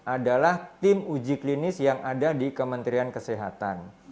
adalah tim uji klinis yang ada di kementerian kesehatan